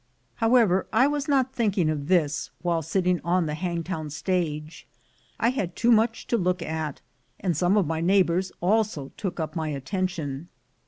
However, I was not thinking of this while sitting on the Hangtown stage. I had too much to look at, and some of my neighbors also took up my atten tion.